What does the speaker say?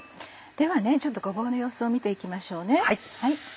ではごぼうの様子を見て行きましょうね。